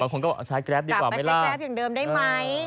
บางคนก็ว่าใช้แกรปดีกว่าไม่รับกลับไปใช้แกรปอย่างเดิมได้ไหม